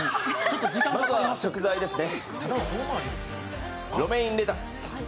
まずは食材ですね。